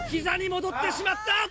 膝に戻ってしまった！